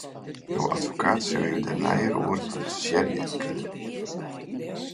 Jo advokaat sil jo dêr neier oer advisearje kinne.